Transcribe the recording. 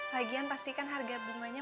lagian pastikan harga bunganya